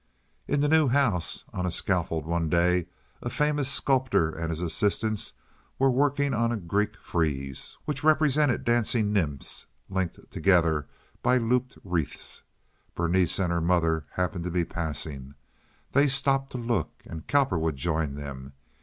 In the new house, on a scaffold one day, a famous sculptor and his assistants were at work on a Greek frieze which represented dancing nymphs linked together by looped wreaths. Berenice and her mother happened to be passing. They stopped to look, and Cowperwood joined them.